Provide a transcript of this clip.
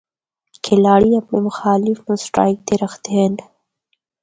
کھلاڑی اپنڑے مخالف نوں سٹرائیک تے رکھدے ہن۔